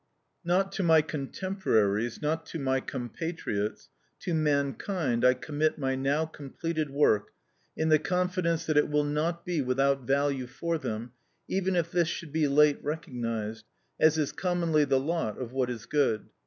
Not to my contemporaries, not to my compatriots—to mankind I commit my now completed work in the confidence that it will not be without value for them, even if this should be late recognised, as is commonly the lot of what is good.